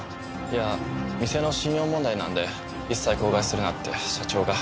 いや店の信用問題なんで一切口外するなって社長が。